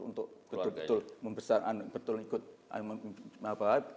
untuk membesarkan betul ikut